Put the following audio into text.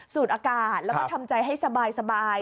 อากาศแล้วก็ทำใจให้สบาย